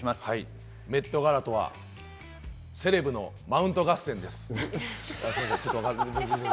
ＭＥＴガラとはセレブのマウント合戦です。